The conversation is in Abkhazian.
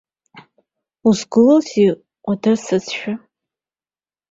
Узгылоузеи, уадырсызшәа!